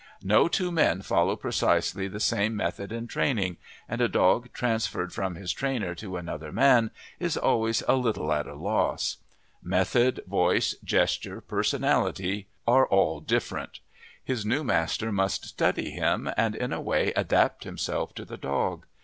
No two men follow precisely the same method in training, and a dog transferred from his trainer to another man is always a little at a loss; method, voice, gestures, personality, are all different; his new master must study him and in a way adapt himself to the dog.